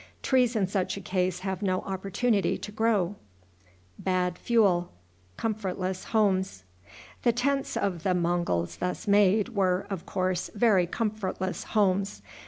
Trees in such a case have no opportunity to grow. The tents of the Monguls thus made were, of course, very comfortless homes.